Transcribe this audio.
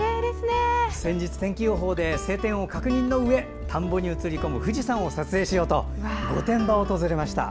先日、天気予報で晴天を確認のうえ田んぼに映り込む富士山を撮影しようと御殿場を訪れました。